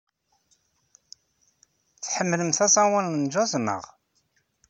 Tḥemmlemt aẓawan n jazz, naɣ?